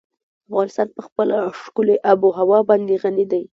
افغانستان په خپله ښکلې آب وهوا باندې غني دی.